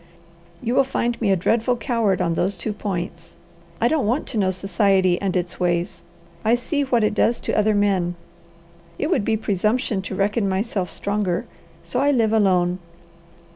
You will find me a dreadful coward on those two points. I don't want to know society and its ways. I see what it does to other men; it would be presumption to reckon myself stronger. So I live alone.